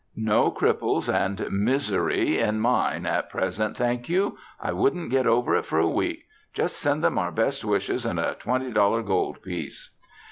"No cripples and misery in mine at present, thank you! I wouldn't get over it for a week. Just send them our best wishes and a twenty dollar gold piece."